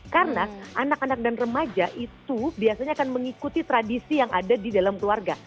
karena anak anak dan remaja itu biasanya akan mengikuti tradisi yang ada di dalam keluarga